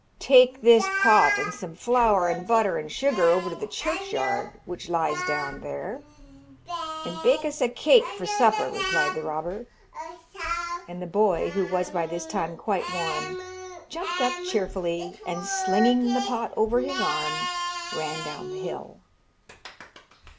'Take this pot and some flour and butter and sugar over to the churchyard which lies down there, and bake us a cake for supper,' replied the robber. And the boy, who was by this time quite warm, jumped up cheerfully, and slinging the pot over his arm, ran down the hill.